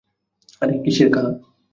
আরে কিসের হ্যাঁ?